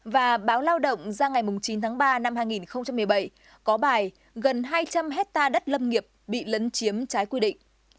và báo lao động ra ngày chín tháng ba năm hai nghìn một mươi bảy có bài gần hai trăm linh hectare đất lâm nghiệp bị lấn chiếm trái quy định